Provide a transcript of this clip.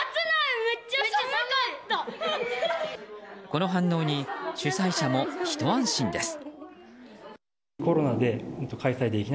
この反応に主催者も、ひと安心です。